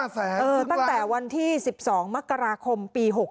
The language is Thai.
ตั้งแต่วันที่๑๒มกราคมปี๖๖